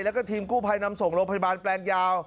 แล้วก็ทีมกู้ภัยนำส่งโรงพยาบาลแปลงยาว